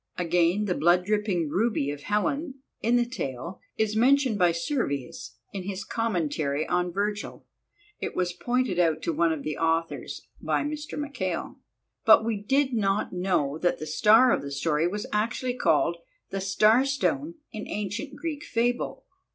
Again, the blood dripping ruby of Helen, in the tale, is mentioned by Servius in his commentary on Virgil (it was pointed out to one of the authors by Mr. Mackail). But we did not know that the Star of the story was actually called the "Star stone" in ancient Greek fable.